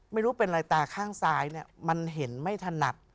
ไม่รู้เป็นอะไรตาข้างซ้ายเนี่ยมันเห็นไม่ถนัด